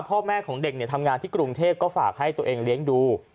พ่อแม่ของเด็กทำงานที่กรุงเทพก็ฝากให้ตัวเองเลี้ยงดู